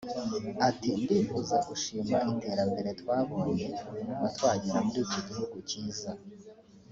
Ati “Ndifuza gushima iterambere twabonye kuva twagera muri iki gihugu cyiza